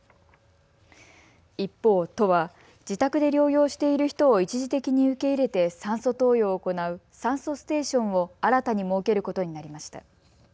一方、都は自宅で療養している人を一時的に受け入れて酸素投与を行う酸素ステーションを新たに設けることになりました。